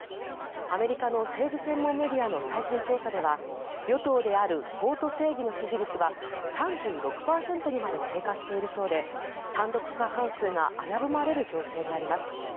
アメリカの政治専門メディアの最新調査では与党である法と正義の支持率は３６％にまで低下しているそうで単独過半数が危ぶまれる状況にあります。